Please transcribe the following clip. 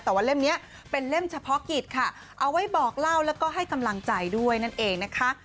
แต่ว่าเล่มนี้เป็นเล่มเฉพาะกิจค่ะเอาไว้บอกเล่าแล้วก็ให้กำลังใจด้วยนั่นเองนะคะ